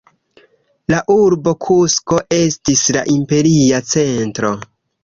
La urbo Kusko estis la imperia centro.